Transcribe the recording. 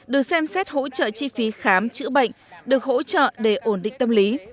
được xem xét hỗ trợ chi phí khám chữa bệnh được hỗ trợ để ổn định tâm lý